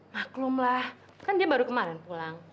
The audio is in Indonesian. maklumlah kan dia baru kemarin pulang